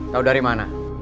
tau dari mana